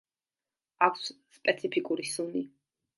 აქვს სპეციფიკური სუნი.